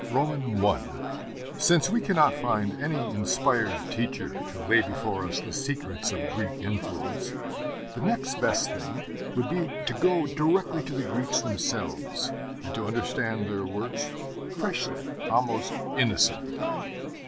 I Since we cannot find any inspired teacher to lay before us the secrets of Greek influence, the next best thing would be to go directly to the Greeks themselves, and to study their works freshly, almost innocently.